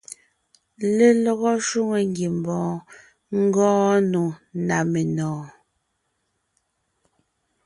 Lelɔgɔ shwòŋo ngiembɔɔn ngɔɔn nò ná menɔ̀ɔn.